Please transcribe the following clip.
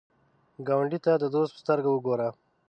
ګاونډي ته د دوست په سترګه وګوره